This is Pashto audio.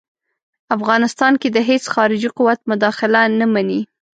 افغانستان کې د هیڅ خارجي قوت مداخله نه مني.